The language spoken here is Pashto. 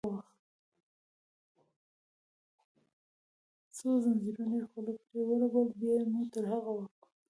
څو زنځیرونه یې خوله پرې ولګوي، بیا مو تر هغه وخت.